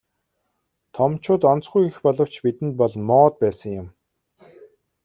Томчууд онцгүй гэх боловч бидэнд бол моод байсан юм.